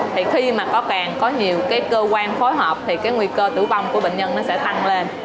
thì khi mà có càng có nhiều cái cơ quan phối hợp thì cái nguy cơ tử vong của bệnh nhân nó sẽ tăng lên